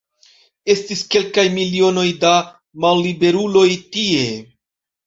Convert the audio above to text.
Estis kelkaj milionoj da malliberuloj tie.